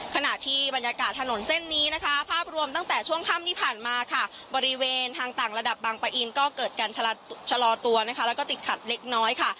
ขณะที่บรรยากาศถนนเส้นนี้นะคะภาพรวมตั้งแต่ช่วงค่ำที่ผ่านมาค่ะบริเวณทางต่างระดับบางปะอินก็เกิดการชะลอตัวนะคะแล้วก็ติดขัดเล็กน้อยค่ะ